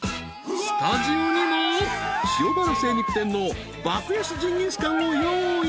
［スタジオにも塩原精肉店の爆安ジンギスカンを用意］